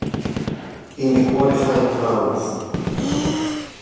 In the qualifying round